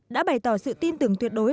đã bày tỏ sự tin tưởng tuyệt đối